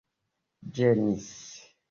ĝenis